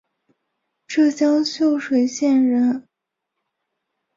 浙江秀水县人。